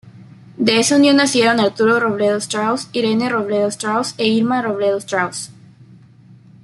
De esa unión nacieron Arturo Robledo Strauss, Irene Robledo Strauss e Irma Robledo Strauss.